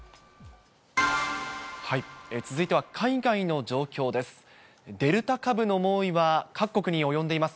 続いては海外の状況です。